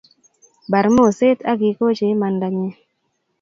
Bar moset ak ikochi imandanyi